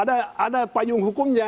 ada payung hukumnya